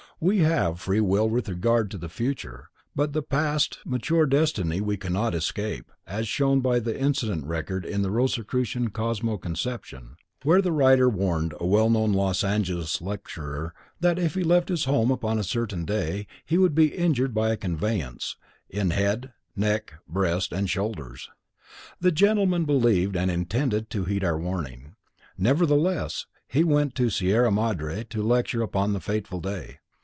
We have free will with regard to the future, but the past "mature" destiny we cannot escape, as shown by the incident recorded in The Rosicrucian Cosmo Conception, where the writer warned a well known Los Angeles lecturer that if he left his home upon a certain day, he would be injured by a conveyance, in head, neck, breast and shoulders. The gentleman believed and intended to heed our warning. Nevertheless he went to Sierra Madre to lecture upon the fateful day.